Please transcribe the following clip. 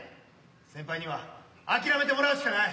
先輩には諦めてもらうしかない。